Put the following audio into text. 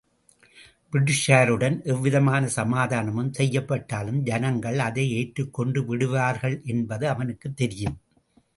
பிரிட்டிஷாருடன் எவ்விதமான சமாதானம் செய்யப்பட்டாலும் ஜனங்கள் அதை ஏற்றுக்கொண்டுவிடுவார்கள் என்பது அவனுக்குத் தெரியும்.